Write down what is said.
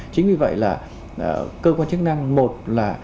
chính vì vậy là cơ quan chức năng một là